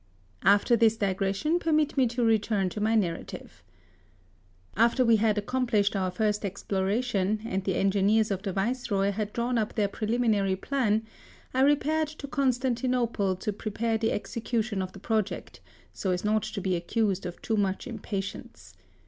After this digression permit me to return to my narrative. After we had accom plished our first exploration, and the engi neers of the Viceroy had drawn ^ up their preUminary plan, I repaired to Constenti nople to prepare the execution of the project, so as not to be accused of too much impati ence.